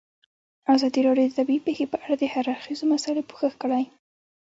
ازادي راډیو د طبیعي پېښې په اړه د هر اړخیزو مسایلو پوښښ کړی.